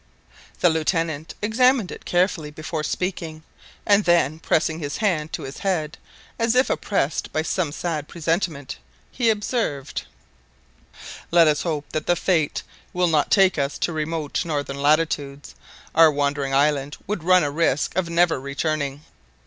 The Lieutenant examined it carefully before speaking, and then pressing his hand to his head, as if oppressed by some sad presentiment, he observed— "Let us hope that fate will not take us to remote northern latitudes. Our wandering island would run a risk of never returning."